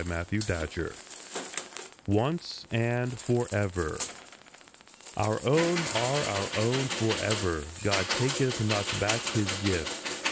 ONCE AND FOREVER US ONCE AND FOREVER OUR own are our own forever, God taketh not back his gift.